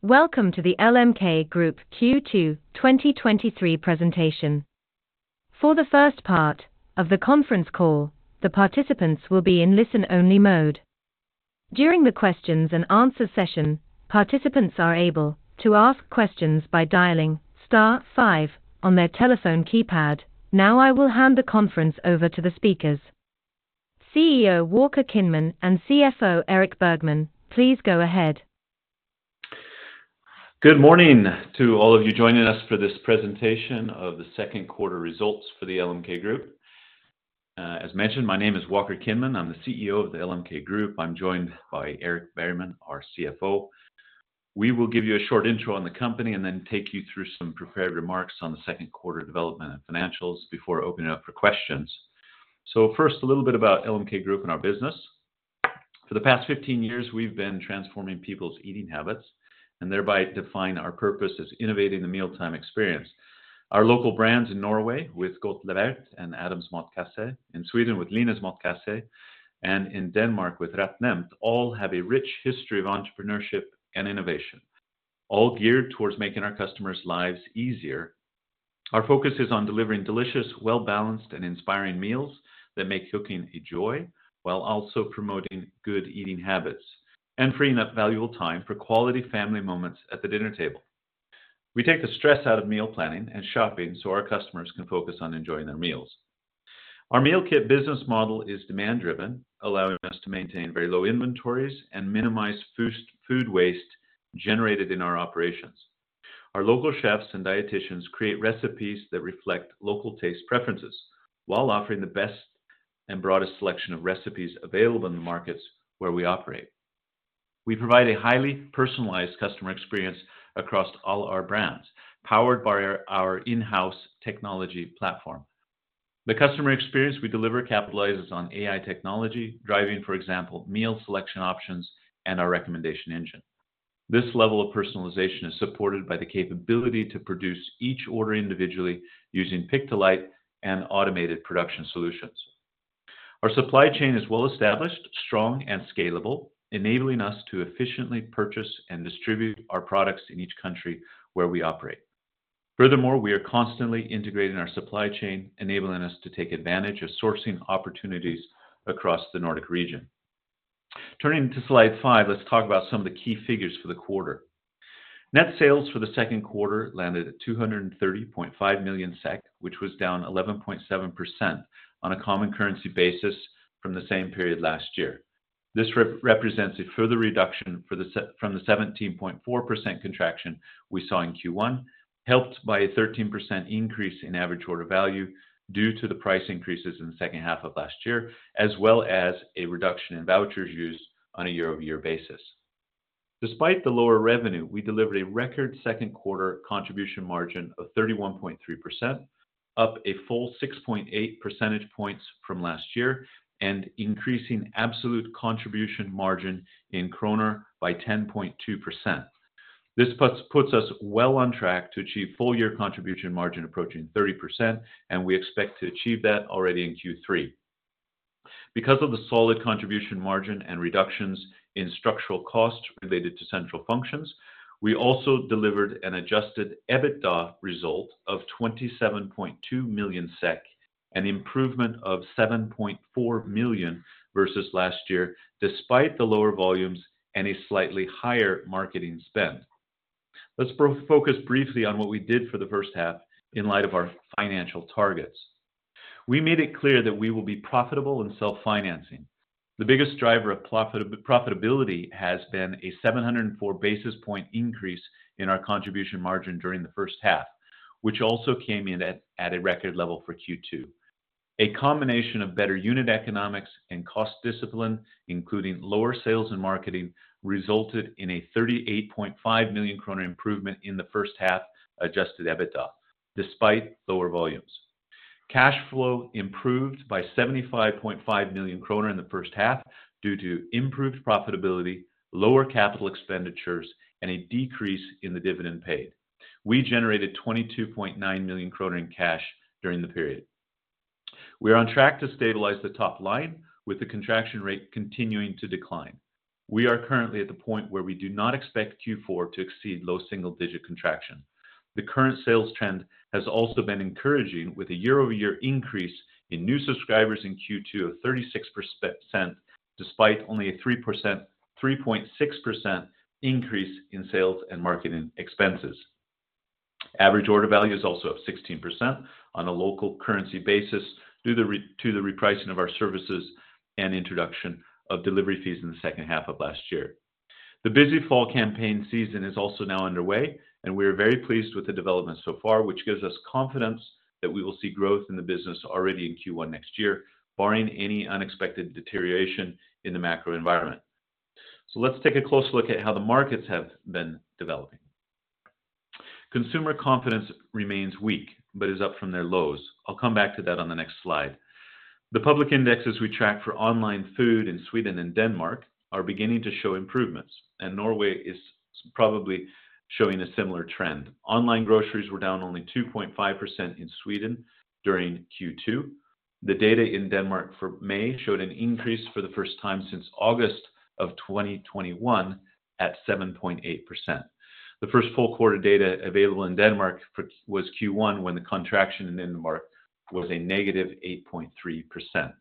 Welcome to the LMK Group Q2 2023 Presentation. For the first part of the conference call, the participants will be in listen-only mode. During the questions and answer session, participants are able to ask questions by dialing star five on their telephone keypad. Now, I will hand the conference over to the speakers. CEO Walker Kinman and CFO Erik Bergman, please go ahead. Good morning to all of you joining us for this presentation of the second quarter results for the LMK Group. As mentioned, my name is Walker Kinman. I'm the CEO of the LMK Group. I'm joined by Erik Bergman, our CFO. We will give you a short intro on the company, and then take you through some prepared remarks on the second quarter development and financials before opening up for questions. First, a little bit about LMK Group and our business. For the past 15 years, we've been transforming people's eating habits, and thereby define our purpose as innovating the mealtime experience. Our local brands in Norway with Godtlevert and Adams Matkasse, in Sweden with Linas Matkasse, and in Denmark with RetNemt, all have a rich history of entrepreneurship and innovation, all geared towards making our customers' lives easier. Our focus is on delivering delicious, well-balanced, and inspiring meals that make cooking a joy, while also promoting good eating habits and freeing up valuable time for quality family moments at the dinner table. We take the stress out of meal planning and shopping so our customers can focus on enjoying their meals. Our meal kit business model is demand-driven, allowing us to maintain very low inventories and minimize food waste generated in our operations. Our local chefs and dieticians create recipes that reflect local taste preferences, while offering the best and broadest selection of recipes available in the markets where we operate. We provide a highly personalized customer experience across all our brands, powered by our in-house technology platform. The customer experience we deliver capitalizes on AI technology, driving, for example, meal selection options and our recommendation engine. This level of personalization is supported by the capability to produce each order individually using Pick-to-Light and automated production solutions. Our supply chain is well established, strong, and scalable, enabling us to efficiently purchase and distribute our products in each country where we operate. Furthermore, we are constantly integrating our supply chain, enabling us to take advantage of sourcing opportunities across the Nordic region. Turning to slide five, let's talk about some of the key figures for the quarter. Net sales for the second quarter landed at 230.5 million SEK, which was down 11.7% on a common currency basis from the same period last year. This represents a further reduction from the 17.4% contraction we saw in Q1, helped by a 13% increase in average order value due to the price increases in the second half of last year, as well as a reduction in vouchers used on a year-over-year basis. Despite the lower revenue, we delivered a record second quarter contribution margin of 31.3%, up a full 6.8 percentage points from last year, and increasing absolute contribution margin in kroner by 10.2%. This puts us well on track to achieve full year contribution margin approaching 30%, and we expect to achieve that already in Q3. Because of the solid contribution margin and reductions in structural costs related to central functions, we also delivered an adjusted EBITDA result of 27.2 million SEK, an improvement of 7.4 million versus last year, despite the lower volumes and a slightly higher marketing spend. Let's focus briefly on what we did for the first half in light of our financial targets. We made it clear that we will be profitable and self-financing. The biggest driver of profitability has been a 704 basis point increase in our contribution margin during the first half, which also came in at a record level for Q2. A combination of better unit economics and cost discipline, including lower sales and marketing, resulted in a 38.5 million kronor improvement in the first half adjusted EBITDA, despite lower volumes. Cash flow improved by 75.5 million kronor in the first half due to improved profitability, lower capital expenditures, and a decrease in the dividend paid. We generated 22.9 million kronor in cash during the period. We are on track to stabilize the top line, with the contraction rate continuing to decline. We are currently at the point where we do not expect Q4 to exceed low single-digit contraction. The current sales trend has also been encouraging, with a year-over-year increase in new subscribers in Q2 of 36%, despite only a 3.6% increase in sales and marketing expenses. Average order value is also up 16% on a local currency basis, due to the repricing of our services and introduction of delivery fees in the second half of last year. The busy fall campaign season is also now underway, and we are very pleased with the development so far, which gives us confidence that we will see growth in the business already in Q1 next year, barring any unexpected deterioration in the macro environment. Let's take a close look at how the markets have been developing. Consumer confidence remains weak, but is up from their lows. I'll come back to that on the next slide. The public indexes we track for online food in Sweden and Denmark are beginning to show improvements, and Norway is probably showing a similar trend. Online groceries were down only 2.5% in Sweden during Q2. The data in Denmark for May showed an increase for the first time since August of 2021 at 7.8%. The first full quarter data available in Denmark for, was Q1, when the contraction in Denmark was a negative 8.3%.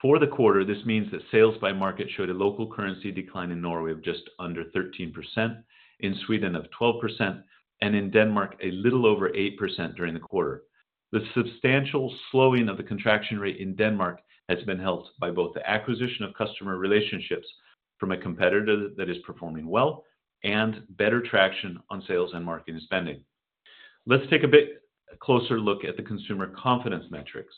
For the quarter, this means that sales by market showed a local currency decline in Norway of just under 13%, in Sweden of 12%, and in Denmark, a little over 8% during the quarter. The substantial slowing of the contraction rate in Denmark has been helped by both the acquisition of customer relationships from a competitor that is performing well and better traction on sales and marketing spending. Let's take a bit closer look at the consumer confidence metrics.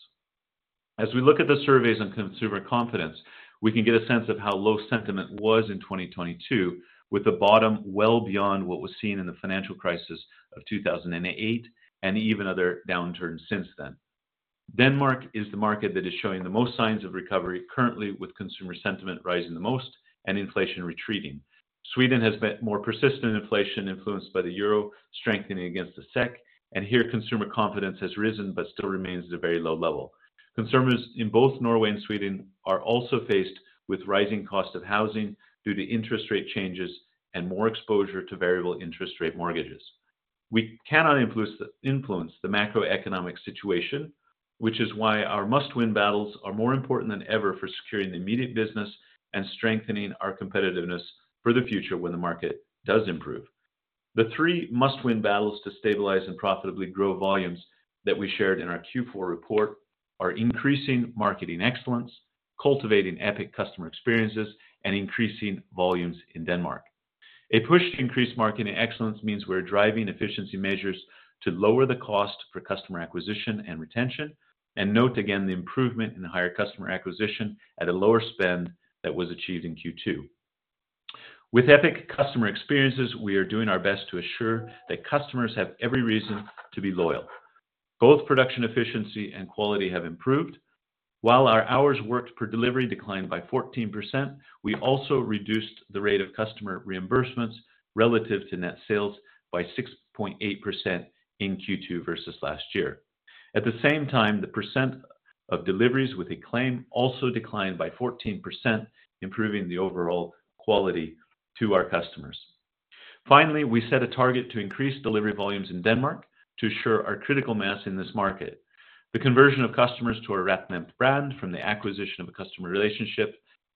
As we look at the surveys on consumer confidence, we can get a sense of how low sentiment was in 2022, with the bottom well beyond what was seen in the financial crisis of 2008, and even other downturns since then. Denmark is the market that is showing the most signs of recovery currently, with consumer sentiment rising the most and inflation retreating. Sweden has met more persistent inflation influenced by the euro, strengthening against the SEK, and here, consumer confidence has risen, but still remains at a very low level. Consumers in both Norway and Sweden are also faced with rising cost of housing due to interest rate changes and more exposure to variable interest rate mortgages. We cannot influence the macroeconomic situation, which is why our must-win battles are more important than ever for securing the immediate business and strengthening our competitiveness for the future when the market does improve. The three must-win battles to stabilize and profitably grow volumes that we shared in our Q4 report are increasing marketing excellence, cultivating epic customer experiences, and increasing volumes in Denmark. A push to increase marketing excellence means we're driving efficiency measures to lower the cost for customer acquisition and retention, and note again the improvement in higher customer acquisition at a lower spend that was achieved in Q2. With epic customer experiences, we are doing our best to assure that customers have every reason to be loyal. Both production efficiency and quality have improved. While our hours worked per delivery declined by 14%, we also reduced the rate of customer reimbursements relative to net sales by 6.8% in Q2 versus last year. At the same time, the percent of deliveries with a claim also declined by 14%, improving the overall quality to our customers. Finally, we set a target to increase delivery volumes in Denmark to assure our critical mass in this market. The conversion of customers to a RetNemt brand from the acquisition of a customer relationship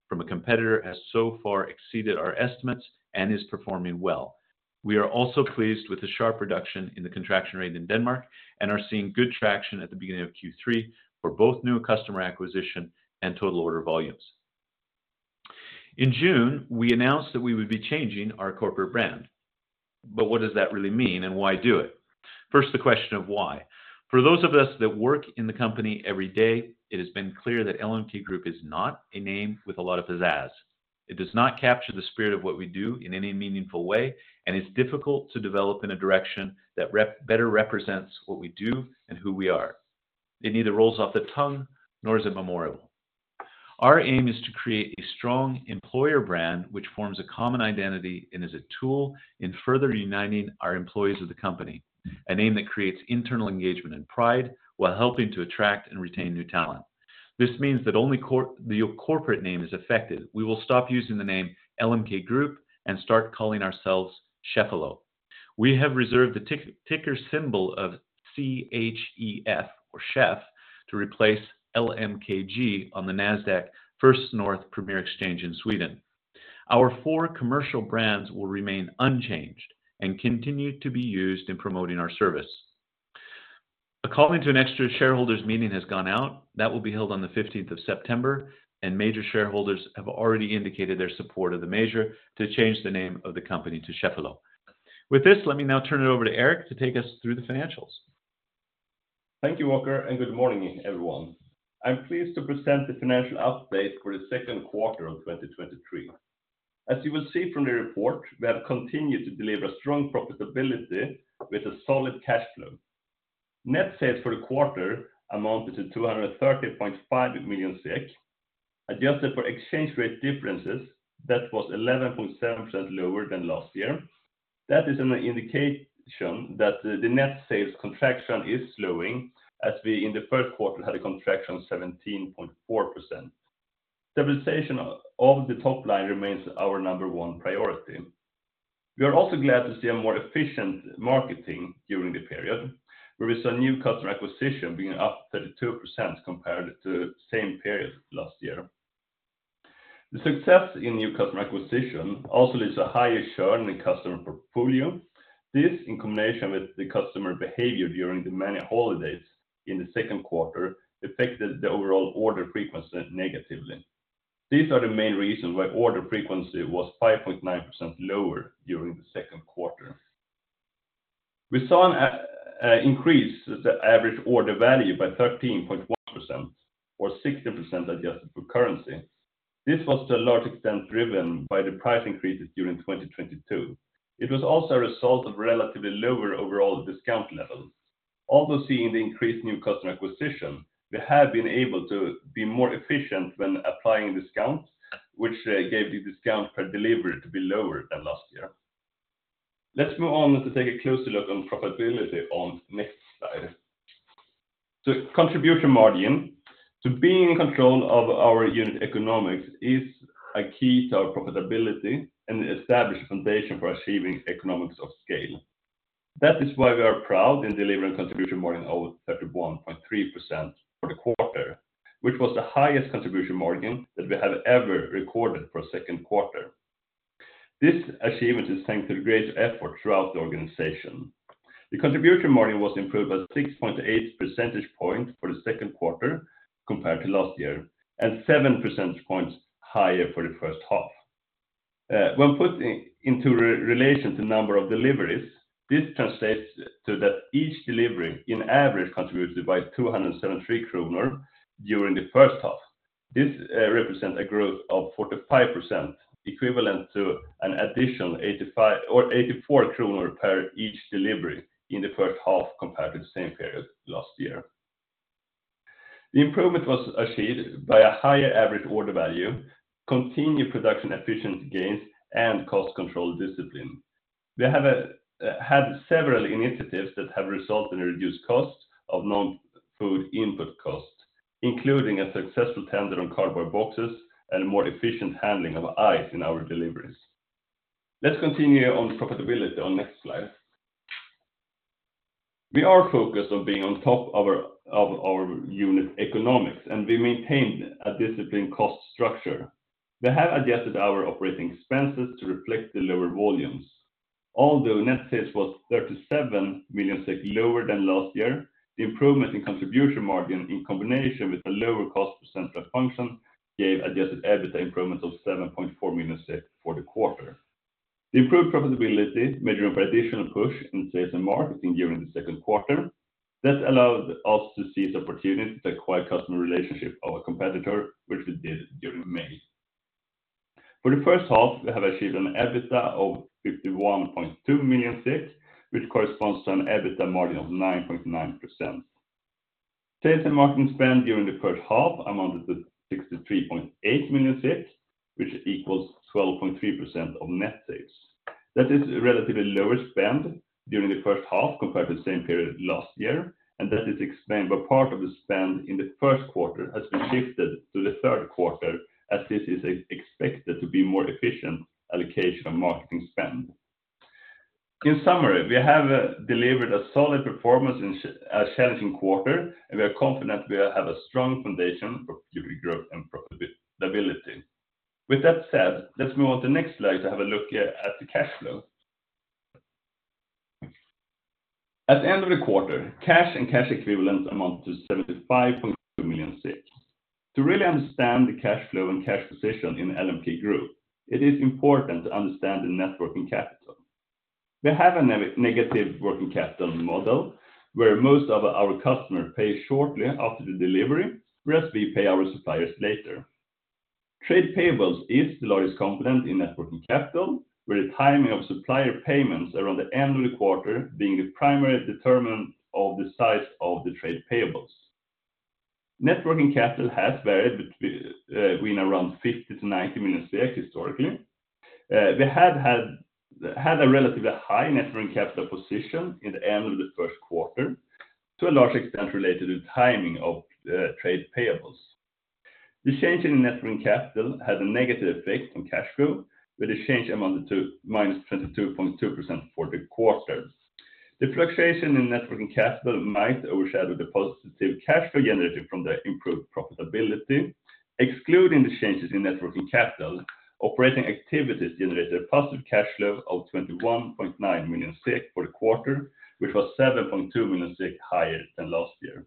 from a competitor has so far exceeded our estimates and is performing well. We are also pleased with the sharp reduction in the contraction rate in Denmark and are seeing good traction at the beginning of Q3 for both new customer acquisition and total order volumes. In June, we announced that we would be changing our corporate brand. What does that really mean and why do it? First, the question of why. For those of us that work in the company every day, it has been clear that LMK Group is not a name with a lot of pizzazz. It does not capture the spirit of what we do in any meaningful way, and it's difficult to develop in a direction that better represents what we do and who we are. It neither rolls off the tongue nor is it memorable. Our aim is to create a strong employer brand, which forms a common identity and is a tool in further uniting our employees of the company, a name that creates internal engagement and pride while helping to attract and retain new talent. This means that only the corporate name is affected. We will stop using the name LMK Group and start calling ourselves Cheffelo. We have reserved the ticker symbol of C-H-E-F or CHEF to replace LMKG on the Nasdaq First North Premier Exchange in Sweden. Our four commercial brands will remain unchanged and continue to be used in promoting our service. A calling to an extra shareholders meeting has gone out. That will be held on the fifteenth of September, and major shareholders have already indicated their support of the measure to change the name of the company to Cheffelo. With this, let me now turn it over to Erik to take us through the financials. Thank you, Walker, and good morning, everyone. I'm pleased to present the financial update for the Q2 2023. As you will see from the report, we have continued to deliver strong profitability with a solid cash flow. Net sales for the quarter amounted to 230.5 million. Adjusted for exchange rate differences, that was 11.7% lower than last year. That is an indication that the net sales contraction is slowing, as we, in the Q1, had a contraction of 17.4%. Stabilization of the top line remains our number one priority. We are also glad to see a more efficient marketing during the period, where we saw new customer acquisition being up 32% compared to the same period last year. The success in new customer acquisition also leads to higher churn in customer portfolio. This, in combination with the customer behavior during the many holidays in the second quarter, affected the overall order frequency negatively. These are the main reasons why order frequency was 5.9% lower during the second quarter. We saw an increase the average order value by 13.1% or 60% adjusted for currency. This was to a large extent driven by the price increases during 2022. It was also a result of relatively lower overall discount levels. Although seeing the increased new customer acquisition, we have been able to be more efficient when applying discounts, which gave the discount per delivery to be lower than last year. Let's move on to take a closer look on profitability on next slide. Contribution margin, to being in control of our unit economics is a key to our profitability and establish a foundation for achieving economics of scale. That is why we are proud in delivering contribution margin of 31.3% for the quarter, which was the highest contribution margin that we have ever recorded for a second quarter. This achievement is thanks to the great effort throughout the organization. The contribution margin was improved by 6.8 percentage points for the second quarter compared to last year, and 7 percentage points higher for the first half. When put in relation to number of deliveries, this translates to that each delivery, in average, contributed by 273 kronor during the first half. This represents a growth of 45%, equivalent to an additional 85 or 84 kronor per each delivery in the first half compared to the same period last year. The improvement was achieved by a higher average order value, continued production efficiency gains, and cost control discipline. We have had several initiatives that have resulted in reduced costs of non-food input costs, including a successful tender on cardboard boxes and a more efficient handling of ice in our deliveries. Let's continue on profitability on next slide. We are focused on being on top of our unit economics, and we maintain a disciplined cost structure. We have adjusted our operating expenses to reflect the lower volumes. Although net sales was 37 million lower than last year, the improvement in contribution margin, in combination with a lower cost percent function, gave adjusted EBITDA improvement of 7.4 million for the quarter. The improved profitability, measuring for additional push in sales and marketing during the second quarter, that allowed us to seize the opportunity to acquire customer relationship of a competitor, which we did during May. For the first half, we have achieved an EBITDA of 51.2 million, which corresponds to an EBITDA margin of 9.9%. Sales and marketing spend during the first half amounted to 63.8 million, which equals 12.3% of net sales. That is a relatively lower spend during the first half compared to the same period last year. That is explained by part of the spend in the first quarter has been shifted to the third quarter, as this is expected to be more efficient allocation of marketing spend. In summary, we have delivered a solid performance in a challenging quarter, and we are confident we have a strong foundation for future growth and profitability. With that said, let's move on to the next slide to have a look at the cash flow. At the end of the quarter, cash and cash equivalent amount to 75.2 million SEK. To really understand the cash flow and cash position in the LMK Group, it is important to understand the net working capital. We have a negative working capital model, where most of our customers pay shortly after the delivery, whereas we pay our suppliers later. Trade payables is the largest component in net working capital, where the timing of supplier payments around the end of the quarter being the primary determinant of the size of the trade payables. Net working capital has varied between around 50 million-90 million historically. We have had a relatively high net working capital position in the end of the 1st quarter, to a large extent related to timing of trade payables. The change in the net working capital had a negative effect on cash flow, with a change amounted to -22.2% for the quarter. The fluctuation in net working capital might overshadow the positive cash flow generated from the improved profitability, excluding the changes in net working capital, operating activities generated a positive cash flow of 21.9 million for the quarter, which was 7.2 million higher than last year.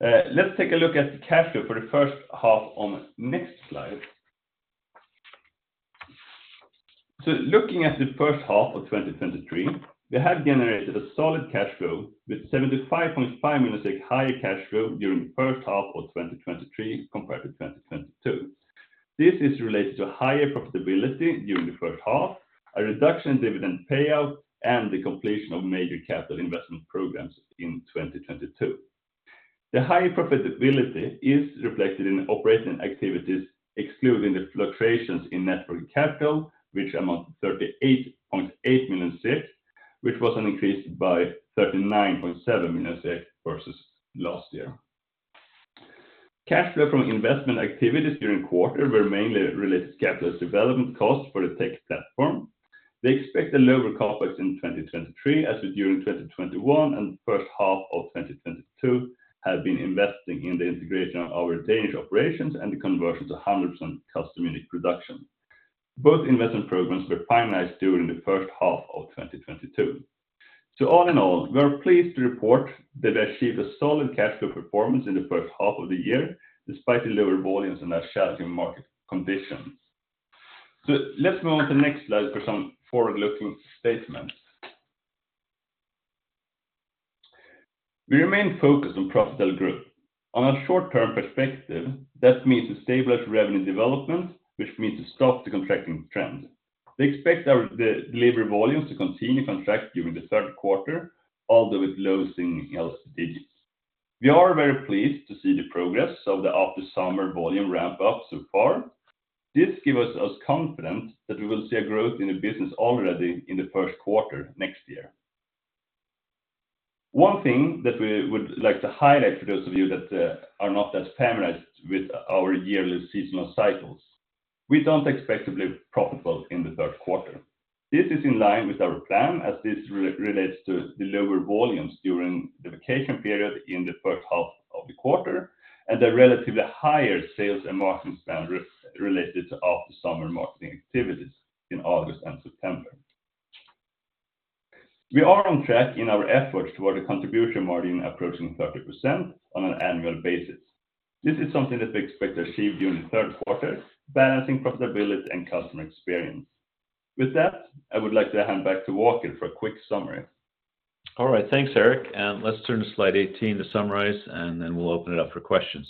Let's take a look at the cash flow for the first half on next slide. Looking at the first half of 2023, we have generated a solid cash flow with 75.5 million higher cash flow during the H1 of 2023 compared to 2022. This is related to higher profitability during the H1, a reduction in dividend payout, and the completion of major capital investment programs in 2022. The higher profitability is reflected in operating activities, excluding the fluctuations in net working capital, which amount to 38.8 million, which was an increase by 39.7 million versus last year. Cash flow from investment activities during quarter were mainly related to capital development costs for the tech platform. We expect a lower CapEx in 2023, as we during 2021 and first half of 2022, have been investing in the integration of our Danish operations and the conversion to 100% customer unique production. Both investment programs were finalized during the first half of 2022. All in all, we are pleased to report that we achieved a solid cash flow performance in the first half of the year, despite the lower volumes and our challenging market conditions. Let's move on to the next slide for some forward-looking statements. We remain focused on profitable growth. On a short-term perspective, that means to stabilize revenue development, which means to stop the contracting trend. We expect the delivery volumes to continue to contract during the third quarter, although it's low single digits. We are very pleased to see the progress of the after summer volume ramp up so far. This gives us confidence that we will see a growth in the business already in the first quarter next year. One thing that we would like to highlight for those of you that are not that familiar with our yearly seasonal cycles, we don't expect to be profitable in the third quarter. This is in line with our plan as this relates to the lower volumes during the vacation period in the first half of the quarter, and the relatively higher sales and marketing spend related to after summer marketing activities in August and September. We are on track in our efforts toward a contribution margin approaching 30% on an annual basis. This is something that we expect to achieve during the third quarter, balancing profitability and customer experience. With that, I would like to hand back to Walker for a quick summary. All right, thanks, Erik, let's turn to Slide 18 to summarize, and then we'll open it up for questions.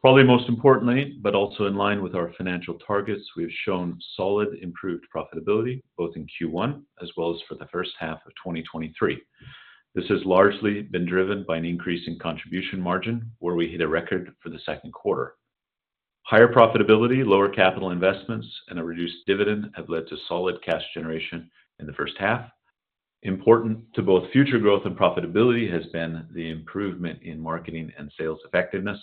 Probably most importantly, but also in line with our financial targets, we have shown solid improved profitability, both in Q1 as well as for the first half of 2023. This has largely been driven by an increase in contribution margin, where we hit a record for the second quarter. Higher profitability, lower capital investments, and a reduced dividend have led to solid cash generation in the first half. Important to both future growth and profitability has been the improvement in marketing and sales effectiveness.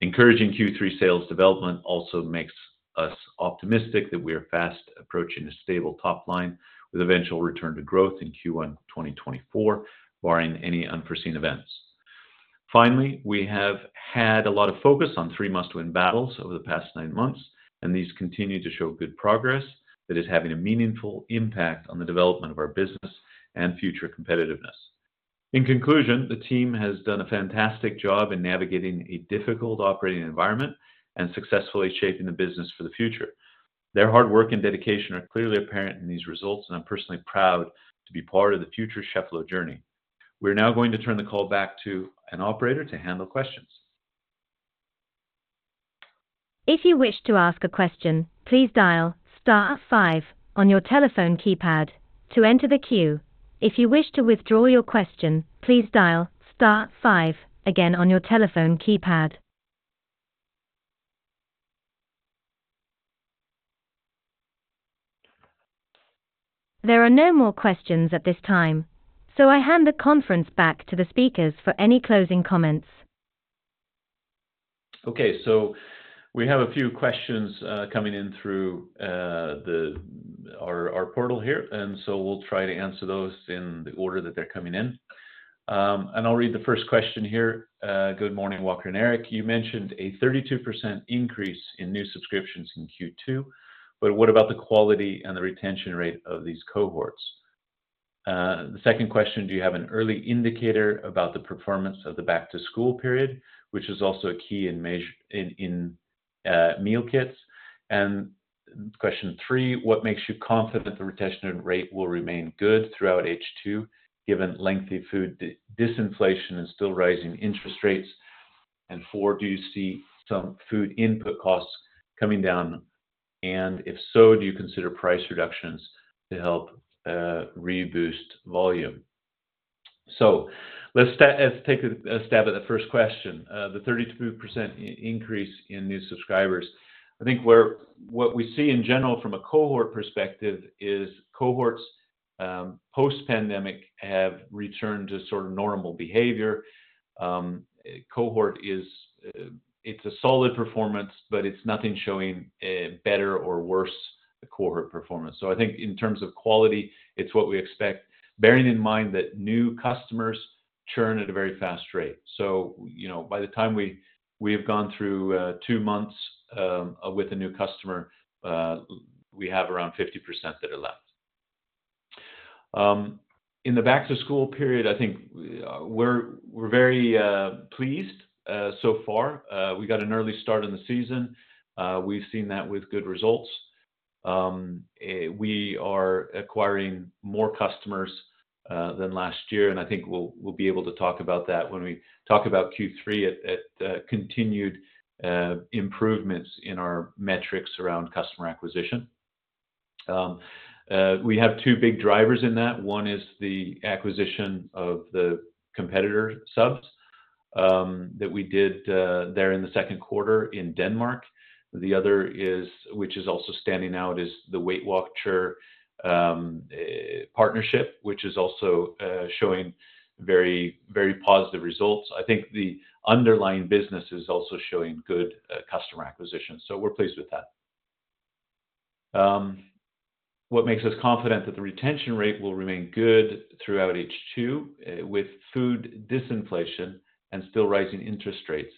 Encouraging Q3 sales development also makes us optimistic that we are fast approaching a stable top line, with eventual return to growth in Q1 2024, barring any unforeseen events. Finally, we have had a lot of focus on 3 must-win battles over the past 9 months, and these continue to show good progress that is having a meaningful impact on the development of our business and future competitiveness. In conclusion, the team has done a fantastic job in navigating a difficult operating environment and successfully shaping the business for the future. Their hard work and dedication are clearly apparent in these results, and I'm personally proud to be part of the future Cheffelo journey. We're now going to turn the call back to an operator to handle questions. If you wish to ask a question, please dial star five on your telephone keypad to enter the queue. If you wish to withdraw your question, please dial star five again on your telephone keypad. There are no more questions at this time. I hand the conference back to the speakers for any closing comments. Okay, we have a few questions coming in through our portal here, we'll try to answer those in the order that they're coming in. I'll read the first question here. "Good morning, Walker and Erik. You mentioned a 32% increase in new subscriptions in Q2, but what about the quality and the retention rate of these cohorts?" The second question: "Do you have an early indicator about the performance of the back-to-school period, which is also a key in measure in, in meal kits?" Question three: "What makes you confident the retention rate will remain good throughout H2, given lengthy food disinflation and still rising interest rates?" Four: "Do you see some food input costs coming down, and if so, do you consider price reductions to help reboost volume?" Let's take a stab at the first question, the 32% increase in new subscribers. I think where what we see in general from a cohort perspective is cohorts, post-pandemic, have returned to sort of normal behavior. Cohort is, it's a solid performance, but it's nothing showing better or worse cohort performance. I think in terms of quality, it's what we expect, bearing in mind that new customers churn at a very fast rate. You know, by the time we, we have gone through two months with a new customer, we have around 50% that are left. In the back-to-school period, I think, we're, we're very pleased so far. We got an early start in the season. We've seen that with good results. We are acquiring more customers than last year, and I think we'll, we'll be able to talk about that when we talk about Q3 at, at continued improvements in our metrics around customer acquisition. We have two big drivers in that. One is the acquisition of the competitor subs, that we did there in the second quarter in Denmark. The other is, which is also standing out, is the Weight Watcher partnership, which is also showing very, very positive results. I think the underlying business is also showing good customer acquisition, so we're pleased with that. What makes us confident that the retention rate will remain good throughout H2, with food disinflation and still rising interest rates?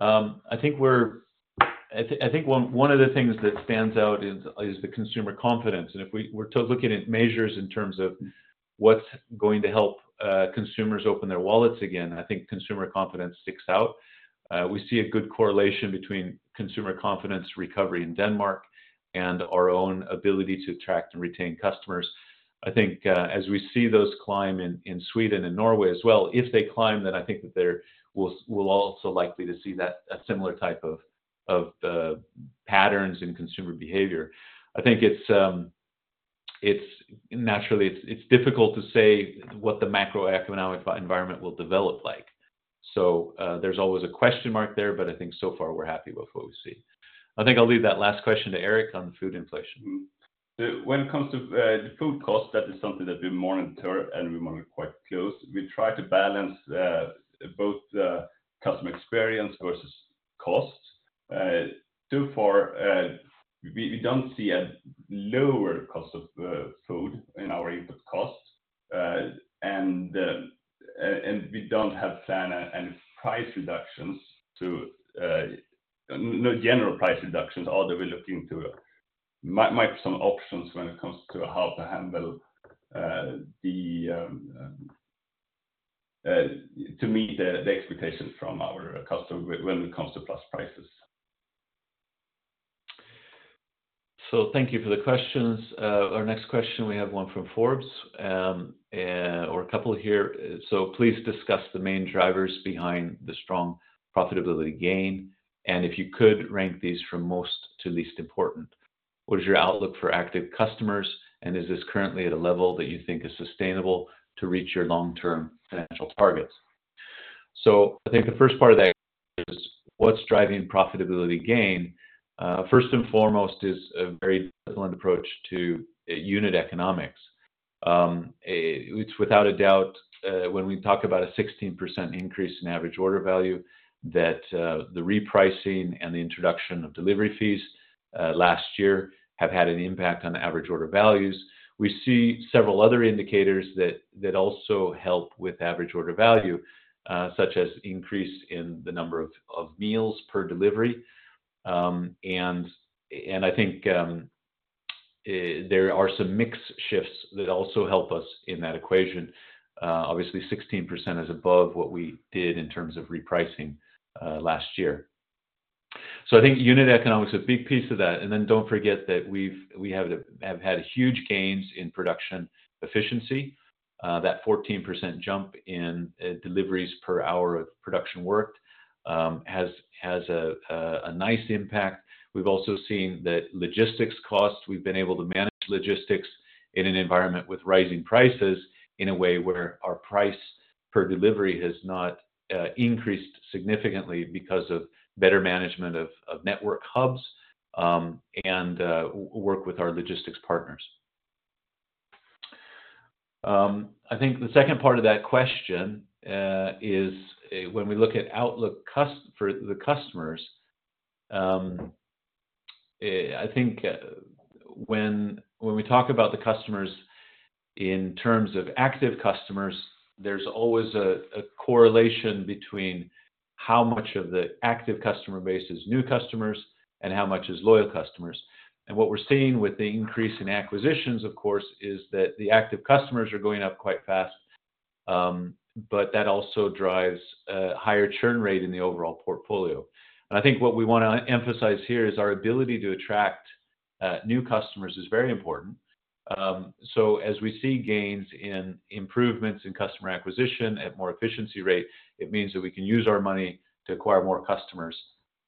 I think one, one of the things that stands out is, is the consumer confidence, and if we're looking at measures in terms of what's going to help, consumers open their wallets again, I think consumer confidence sticks out. We see a good correlation between consumer confidence recovery in Denmark and our own ability to attract and retain customers. I think, as we see those climb in, in Sweden and Norway as well, if they climb, then I think that there we'll, we'll also likely to see that, a similar type of, of, patterns in consumer behavior. I think it's, it's naturally, it's, it's difficult to say what the macroeconomic environment will develop like. There's always a question mark there, but I think so far we're happy with what we see. I think I'll leave that last question to Erik on food inflation. Mm-hmm. When it comes to the food cost, that is something that we monitor and we monitor quite close. We try to balance both customer experience versus costs. So far, we don't see a lower cost of food in our input costs. And we don't have plan any price reductions to, no general price reductions, although we're looking to might be some options when it comes to how to handle the to meet the expectations from our customer when it comes to plus prices. Thank you for the questions. Our next question, we have one from Forbes, or a couple here. Please discuss the main drivers behind the strong profitability gain, and if you could, rank these from most to least important. What is your outlook for active customers, and is this currently at a level that you think is sustainable to reach your long-term financial targets? I think the first part of that is, what's driving profitability gain? First and foremost is a very disciplined approach to unit economics. It's without a doubt, when we talk about a 16% increase in average order value, that the repricing and the introduction of delivery fees, last year have had an impact on the average order values. We see several other indicators that, that also help with average order value, such as increase in the number of, of meals per delivery. I think there are some mix shifts that also help us in that equation. Obviously, 16% is above what we did in terms of repricing last year. I think unit economics is a big piece of that. Then don't forget that we have had huge gains in production efficiency. That 14% jump in deliveries per hour of production worked has a nice impact. We've also seen that logistics costs, we've been able to manage logistics in an environment with rising prices, in a way where our price per delivery has not increased significantly because of better management of network hubs, and work with our logistics partners. I think the second part of that question is when we look at outlook for the customers, I think when we talk about the customers in terms of active customers, there's always a correlation between how much of the active customer base is new customers and how much is loyal customers. What we're seeing with the increase in acquisitions, of course, is that the active customers are going up quite fast, but that also drives a higher churn rate in the overall portfolio. I think what we wanna emphasize here is our ability to attract, new customers is very important. As we see gains in improvements in customer acquisition at more efficiency rate, it means that we can use our money to acquire more customers.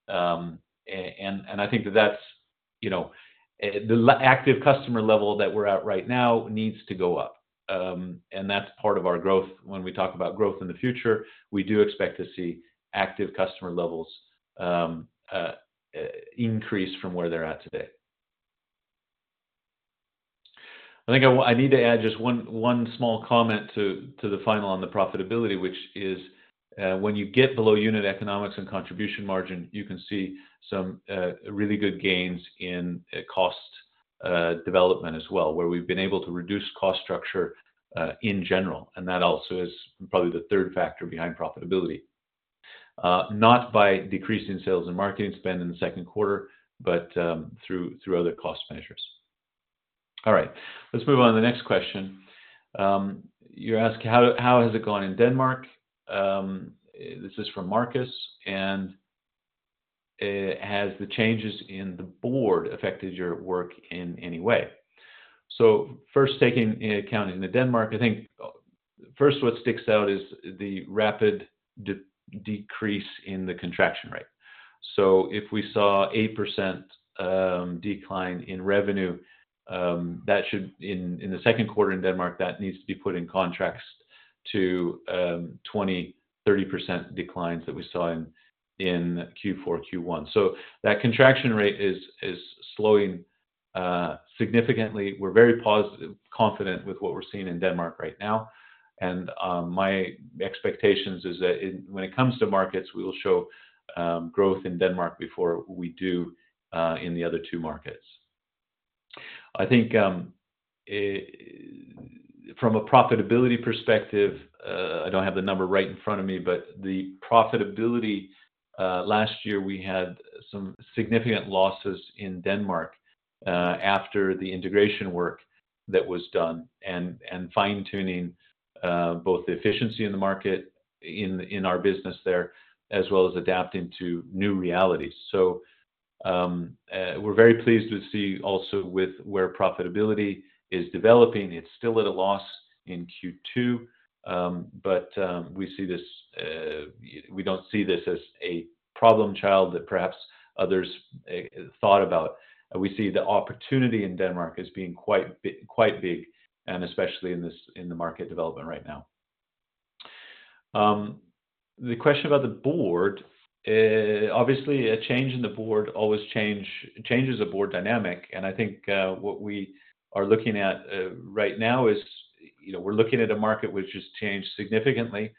And, and I think that that's, you know... The active customer level that we're at right now needs to go up, and that's part of our growth. When we talk about growth in the future, we do expect to see active customer levels, increase from where they're at today. I think I need to add just one, one small comment to the final on the profitability, which is, when you get below unit economics and contribution margin, you can see some really good gains in cost development as well, where we've been able to reduce cost structure in general, and that also is probably the third factor behind profitability. Not by decreasing sales and marketing spend in the second quarter, but through other cost measures. All right. Let's move on to the next question. You ask: How has it gone in Denmark? This is from Marcus. Has the changes in the board affected your work in any way? So first, taking into account in Denmark, I think, first, what sticks out is the rapid decrease in the contraction rate. If we saw 8% decline in revenue, in the 2nd quarter in Denmark, that needs to be put in contrast to 20%-30% declines that we saw in Q4, Q1. That contraction rate is slowing significantly. We're very positive, confident with what we're seeing in Denmark right now, and my expectations is that when it comes to markets, we will show growth in Denmark before we do in the other two markets. I think, from a profitability perspective, I don't have the number right in front of me, but the profitability, last year, we had some significant losses in Denmark, after the integration work that was done and, and fine-tuning, both the efficiency in the market, in, in our business there, as well as adapting to new realities. We're very pleased to see also with where profitability is developing. It's still at a loss in Q2, but we see this, we don't see this as a problem child that perhaps others, thought about. We see the opportunity in Denmark as being quite big, and especially in this, in the market development right now. The question about the board, obviously, a change in the board always changes the board dynamic, and I think, what we are looking at right now is, you know, we're looking at a market which has changed significantly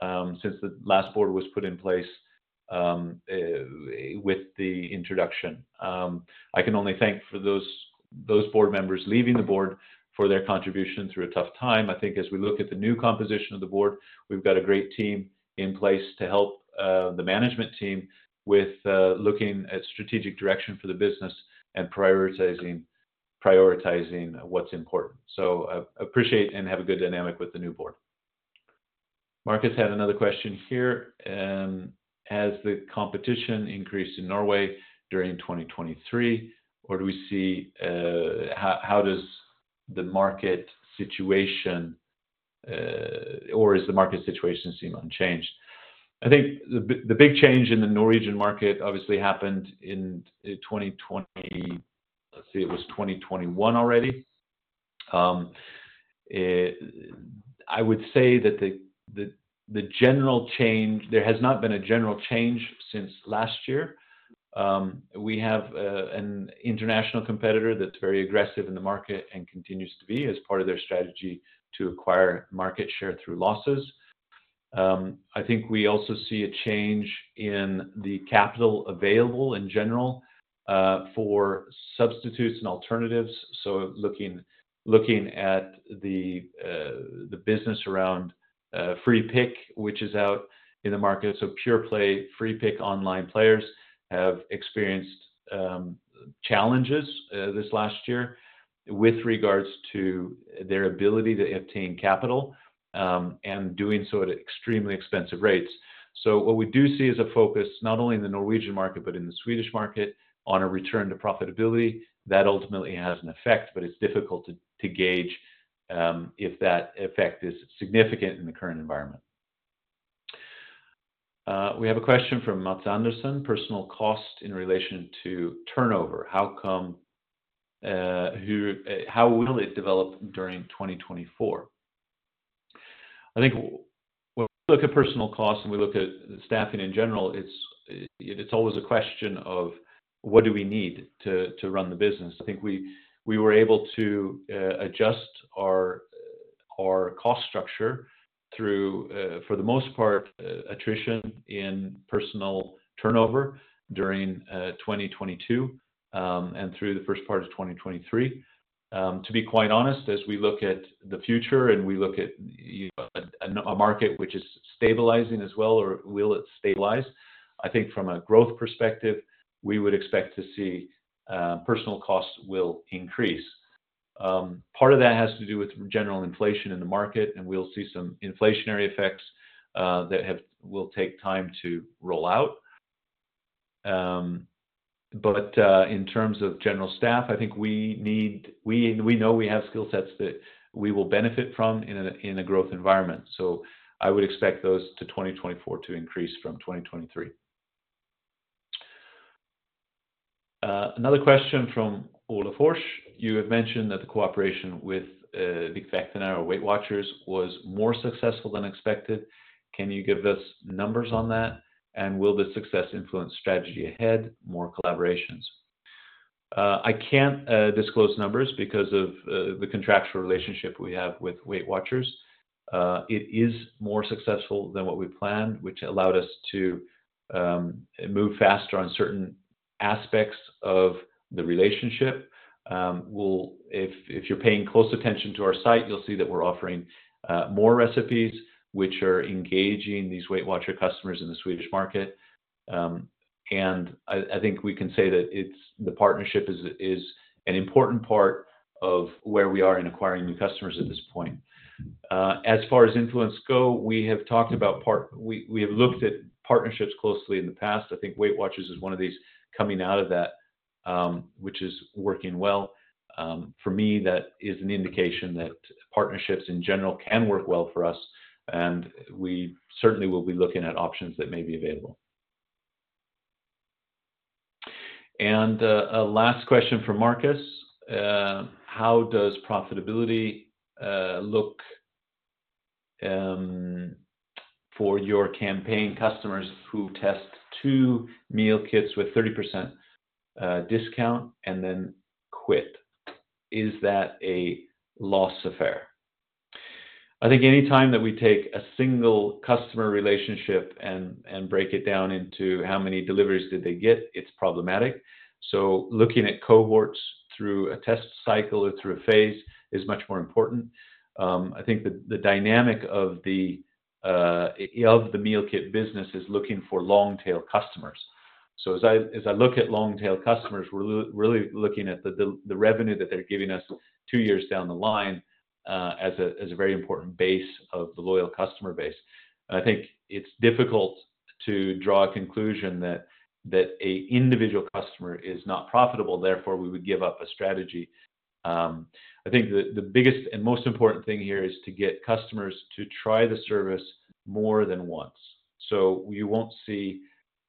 since the last board was put in place with the introduction. I can only thank for those, those board members leaving the board for their contribution through a tough time. I think as we look at the new composition of the board, we've got a great team in place to help the management team with looking at strategic direction for the business and prioritizing, prioritizing what's important. I appreciate and have a good dynamic with the new board. Marcus had another question here: Has the competition increased in Norway during 2023, or do we see... How, how does the market situation, or is the market situation seem unchanged? I think the big change in the Norwegian market obviously happened in 2020- let's see, it was 2021 already. I would say that the general change. There has not been a general change since last year. We have an international competitor that's very aggressive in the market and continues to be, as part of their strategy to acquire market share through losses. I think we also see a change in the capital available in general for substitutes and alternatives. Looking, looking at the business around FreePick, which is out in the market. Pure play, FreePick online players, have experienced challenges this last year with regards to their ability to obtain capital and doing so at extremely expensive rates. What we do see is a focus, not only in the Norwegian market, but in the Swedish market, on a return to profitability. That ultimately has an effect, but it's difficult to gauge if that effect is significant in the current environment. We have a question from Mats Andersson: Personal cost in relation to turnover, how come, who, how will it develop during 2024? I think when we look at personal costs, and we look at staffing in general, it's always a question of what do we need to run the business? I think we, we were able to adjust our, our cost structure through for the most part, attrition in personal turnover during 2022, and through the first part of 2023. To be quite honest, as we look at the future and we look at, you know, a, a market which is stabilizing as well or will it stabilize? I think from a growth perspective, we would expect to see personal costs will increase. Part of that has to do with general inflation in the market, and we'll see some inflationary effects that will take time to roll out. In terms of general staff, I think we, we know we have skill sets that we will benefit from in a, in a growth environment, so I would expect those to 2024 to increase from 2023. Another question from Ole Forsch: You have mentioned that the cooperation with ViktVäktarna and our Weight Watchers was more successful than expected. Can you give us numbers on that? Will the success influence strategy ahead, more collaborations? I can't disclose numbers because of the contractual relationship we have with Weight Watchers. It is more successful than what we planned, which allowed us to move faster on certain aspects of the relationship. If you're paying close attention to our site, you'll see that we're offering more recipes, which are engaging these Weight Watcher customers in the Swedish market. I think we can say that the partnership is an important part of where we are in acquiring new customers at this point. As far as influence go, We have looked at partnerships closely in the past. I think Weight Watchers is one of these coming out of that, which is working well. For me, that is an indication that partnerships in general can work well for us, and we certainly will be looking at options that may be available. A last question from Marcus: How does profitability look for your campaign customers who test 2 meal kits with 30% discount and then quit? Is that a loss affair? I think anytime that we take a single customer relationship and, and break it down into how many deliveries did they get, it's problematic. Looking at cohorts through a test cycle or through a phase is much more important. I think the dynamic of the meal kit business is looking for long-tail customers. As I, as I look at long-tail customers, we're really looking at the, the, the revenue that they're giving us 2 years down the line, as a, as a very important base of the loyal customer base. I think it's difficult to draw a conclusion that, that a individual customer is not profitable, therefore, we would give up a strategy. I think the, the biggest and most important thing here is to get customers to try the service more than once. You won't see,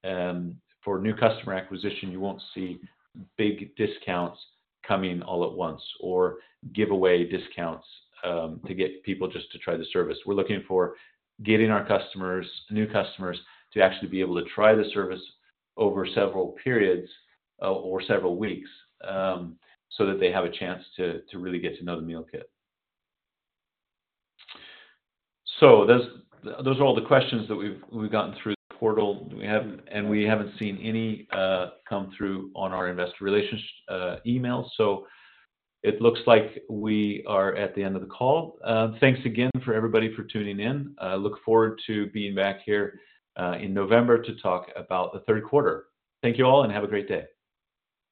for new customer acquisition, you won't see big discounts coming all at once or giveaway discounts, to get people just to try the service. We're looking for getting our customers, new customers, to actually be able to try the service over several periods, or several weeks, so that they have a chance to, to really get to know the meal kit. Those, those are all the questions that we've, we've gotten through the portal. We haven't and we haven't seen any, come through on our investor relations, email. It looks like we are at the end of the call. Thanks again for everybody for tuning in. I look forward to being back here, in November to talk about the third quarter. Thank you all, and have a great day!